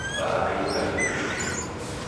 Bahari yeka ndenyi shuu.